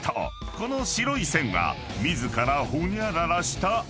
［この白い線は自らホニャララした跡］